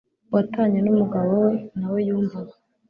watanye n'umugabo we na we yumvaga